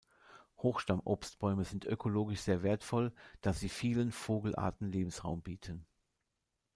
Hochstamm-Obstbäume sind ökologisch sehr wertvoll, da sie vielen Vogelarten Lebensraum bieten.